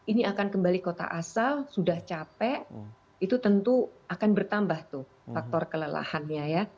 ini akan kembali kota asal sudah capek itu tentu akan bertambah tuh faktor kelelahannya ya